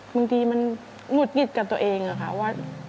บางทีมันหงุดหงิดกับตัวเองอะค่ะว่า